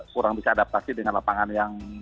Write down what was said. kurang bisa adaptasi dengan lapangan yang